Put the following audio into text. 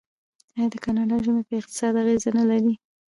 آیا د کاناډا ژمی په اقتصاد اغیز نلري؟